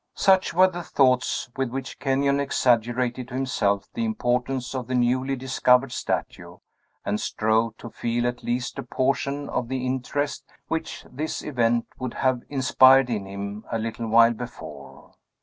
Such were the thoughts with which Kenyon exaggerated to himself the importance of the newly discovered statue, and strove to feel at least a portion of the interest which this event would have inspired in him a little while before.